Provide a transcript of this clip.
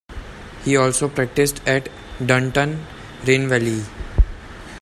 He also practiced at Dunton Rainville.